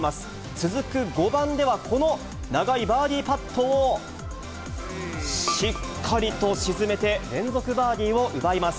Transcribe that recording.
続く５番では、この長いバーディーパットを、しっかりと沈めて、連続バーディーを奪います。